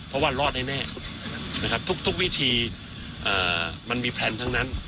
เพราะว่ารอดได้แน่ทุกวิธีมันมีแผนทั้งนั้น